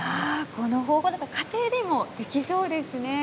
この方法だと家庭でもできそうですね。